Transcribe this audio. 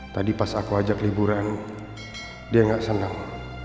tadi pas aku ajak liburan dia gak seneng